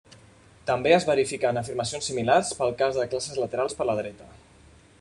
També es verifiquen afirmacions similars pel cas de classes laterals per la dreta.